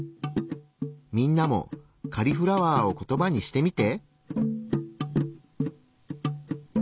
みんなもカリフラワーをコトバにしてみて。